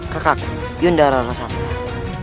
kakak yundarara santang